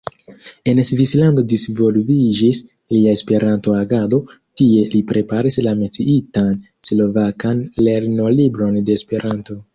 En Svislando disvolviĝis lia Esperanto-agado, tie li preparis la menciitan slovakan lernolibron de Esperanto.